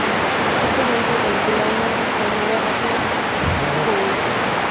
Este ejemplo calcula una Transformada rápida de Fourier.